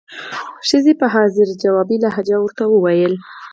ښځې یې په حاضر جوابه لهجه ورته وویل.